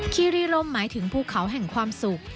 คีรีรมหมายถึงภูเขาแห่งความสุข